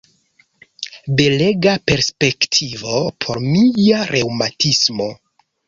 Belega perspektivo por mia reŭmatismo!